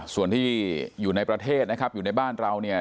ส่วนที่อยู่ในประเทศนะครับอยู่ในบ้านเราเนี่ย